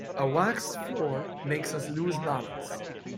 A waxed floor makes us lose balance.